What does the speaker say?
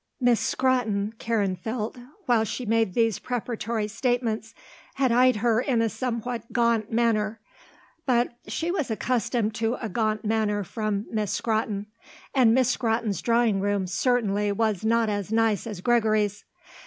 Miss Scrotton, Karen felt, while she made these preparatory statements, had eyed her in a somewhat gaunt manner; but she was accustomed to a gaunt manner from Miss Scrotton, and Miss Scrotton's drawing room, certainly, was not as nice as Gregory's.